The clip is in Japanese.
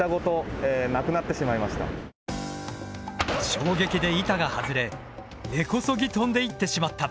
衝撃で板が外れ根こそぎ飛んでいってしまった。